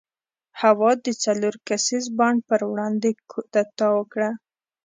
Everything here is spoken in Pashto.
هوا د څلور کسیز بانډ پر وړاندې کودتا وکړه.